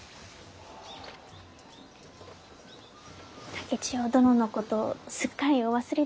竹千代殿のことすっかりお忘れでございましたね。